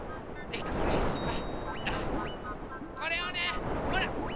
でこれしばったこれをねほら！